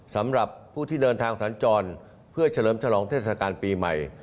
สำหรับผู้ที่เดินทางสัญจรเพื่อเฉลิมฉลองเทศกาลปีใหม่